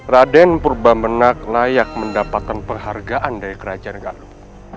raden purba menang layak mendapatkan penghargaan dari kerajaan galuh